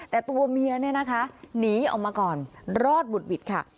แต่ตัวเมียเนี่ยนะคะหนีออกมาก่อนรอดบุดหวิดค่ะ